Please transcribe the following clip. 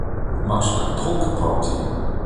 Much like Polka Party!